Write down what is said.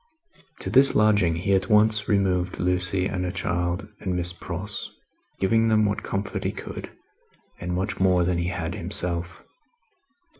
To this lodging he at once removed Lucie and her child, and Miss Pross: giving them what comfort he could, and much more than he had himself.